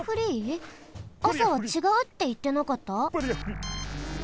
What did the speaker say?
あさはちがうっていってなかった？